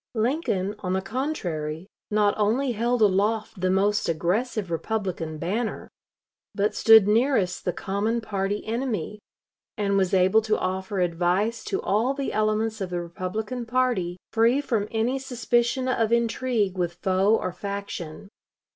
Lincoln, on the contrary, not only held aloft the most aggressive Republican banner, but stood nearest the common party enemy, and was able to offer advice to all the elements of the Republican party, free from any suspicion of intrigue with foe or faction.